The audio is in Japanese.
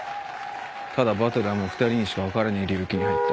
ただバトルはもう２人にしか分からねえ領域に入った。